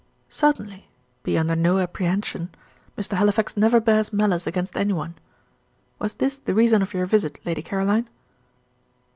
"Certainly: be under no apprehension. Mr. Halifax never bears malice against any one. Was this the reason of your visit, Lady Caroline?"